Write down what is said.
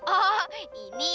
oh ini pak ini bu